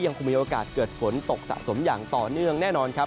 ยังคงมีโอกาสเกิดฝนตกสะสมอย่างต่อเนื่องแน่นอนครับ